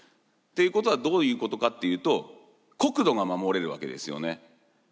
ということはどういうことかっていうと国土が守れるわけですよね。